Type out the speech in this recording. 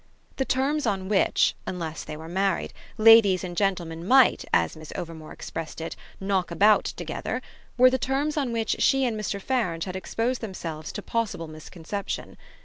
The terms on which, unless they were married, ladies and gentlemen might, as Miss Overmore expressed it, knock about together, were the terms on which she and Mr. Farange had exposed themselves to possible misconception.